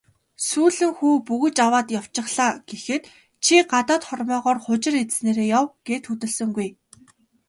"Сүүлэн хүү бөгж аваад явчихлаа" гэхэд "Чи гадаад хормойгоор хужир идсэнээрээ яв" гээд хөдөлсөнгүй.